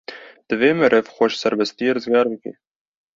Divê meriv xwe ji serbestiyê rizgar bike.